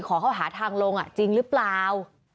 ขอเขาหาทางลงจริงหรือเปล่า